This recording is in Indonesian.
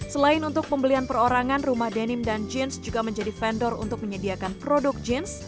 selain untuk pembelian perorangan rumah denim dan jeans juga menjadi vendor untuk menyediakan produk jeans